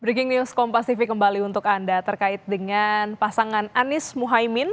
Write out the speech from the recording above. breaking news compacific kembali untuk anda terkait dengan pasangan anies muhaymin